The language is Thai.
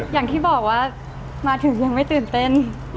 อย่างที่บอกว่ามาถึงยังไม่ตื่นเต้น